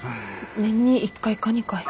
年に１回か２回。